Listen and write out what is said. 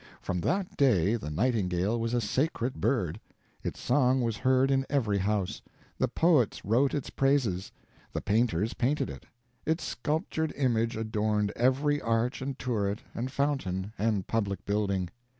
From that day the nightingale was a sacred bird. Its song was heard in every house; the poets wrote its praises; the painters painted it; its sculptured image adorned every arch and turret and fountain and public building.